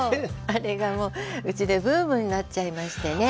あれがもううちでブームになっちゃいましてね。